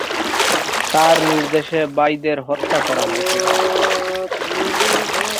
তার নির্দেশে ভাইদের হত্যা করা হয়েছিল।